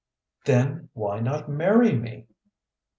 "Then why not marry me?"